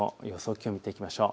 気温を見ていきましょう。